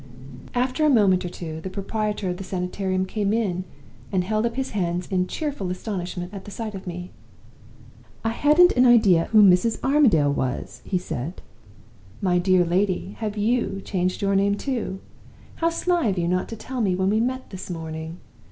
"After a moment or two, the proprietor of the Sanitarium came in, and held up his hands in cheerful astonishment at the sight of me. "'I hadn't an idea who "Mrs. Armadale" was!' he said. 'My dear lady, have you changed your name too? How sly of you not to tell me when we met this morning!